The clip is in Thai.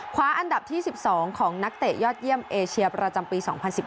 คว้าอันดับที่๑๒ของนักเตะยอดเยี่ยมเอเชียประจำปี๒๐๑๙